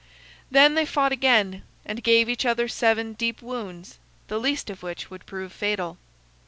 Then they fought again, and gave each other seven deep wounds, the least of which would prove fatal.